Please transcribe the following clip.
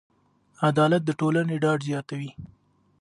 عدالت د ټولنې ډاډ زیاتوي.